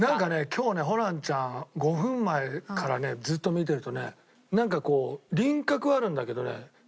今日ねホランちゃん５分前からねずっと見てるとねなんかこう。